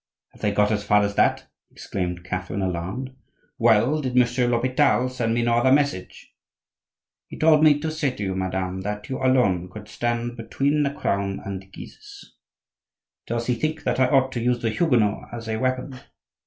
"Have they got as far as that?" exclaimed Catherine, alarmed. "Well, did Monsieur l'Hopital send me no other message?" "He told me to say to you, madame, that you alone could stand between the Crown and the Guises." "Does he think that I ought to use the Huguenots as a weapon?"